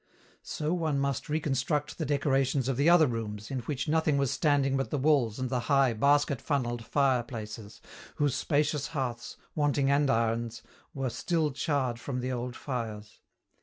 So one must reconstruct the decorations of the other rooms, in which nothing was standing but the walls and the high, basket funneled fireplaces, whose spacious hearths, wanting andirons, were still charred from the old fires.